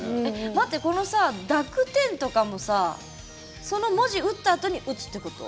待って、濁点とかもその文字を打ったあとに打つっていうこと？